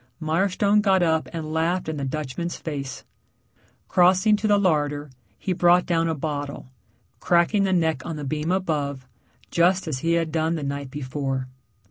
Mirestone got up and laughed in the Dutchman's face. Crossing to the larder, he brought down a bottle, cracking the neck on the beam above, just as he had done the night before.